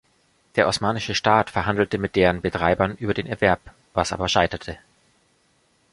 Der osmanische Staat verhandelte mit deren Betreibern über den Erwerb, was aber scheiterte.